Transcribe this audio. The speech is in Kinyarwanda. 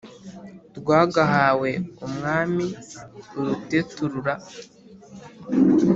rwagahawe umwami uruteturura,